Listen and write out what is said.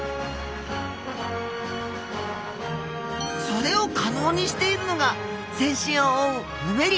それを可能にしているのが全身を覆うヌメリ。